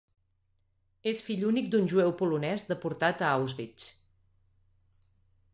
És fill únic d'un jueu polonès deportat a Auschwitz.